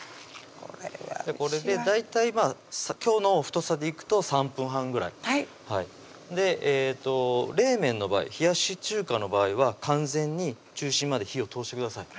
これで大体まぁ今日の太さでいくと３分半ぐらい冷麺の場合冷やし中華の場合は完全に中心まで火を通してください